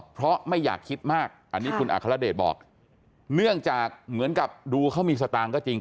เพราะไม่อยากคิดมากอันนี้คุณอัครเดชบอกเนื่องจากเหมือนกับดูเขามีสตางค์ก็จริง